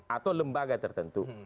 atau lembaga tertentu